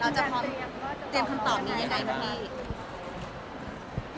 เราจะพร้อมเตรียมคำตอบมีอย่างไรบ้างฮะพี่